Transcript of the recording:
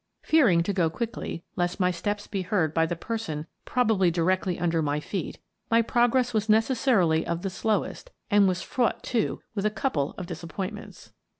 Fearing to go quickly, lest my steps be heard by the person probably directly under my feet, my progress was necessarily of the slowest, and was fraught, too, with a couple of disappointments.